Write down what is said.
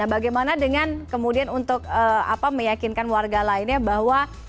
nah bagaimana dengan kemudian untuk meyakinkan warga lainnya bahwa